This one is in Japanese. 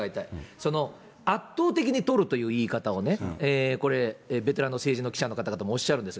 その圧倒的に取るという言い方をね、これ、ベテランの政治の記者の方々、おっしゃるんです。